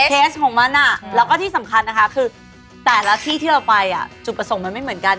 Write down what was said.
เคสของมันแล้วก็ที่สำคัญนะคะคือแต่ละที่ที่เราไปจุดประสงค์มันไม่เหมือนกัน